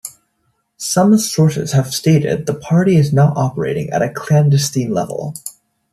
Some sources have stated the party is now operating at a clandestine level.